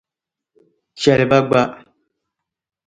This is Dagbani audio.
Chɛli bɛ gba.